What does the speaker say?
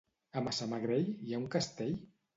A Massamagrell hi ha un castell?